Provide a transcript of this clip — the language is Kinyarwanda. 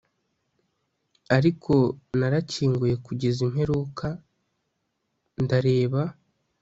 Ariko narakinguye kugeza imperuka Ndareba